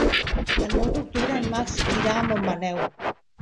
El nou d'octubre en Max irà a Montmaneu.